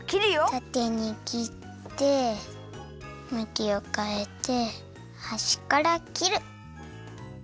たてにきってむきをかえてはしからきる。